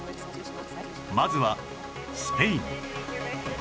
まずはスペイン